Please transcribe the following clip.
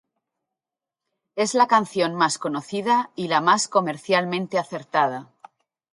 Es la canción más conocida y la más comercialmente acertada.